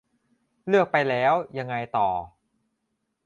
เลือกไปแล้ว ยังไงต่อ ?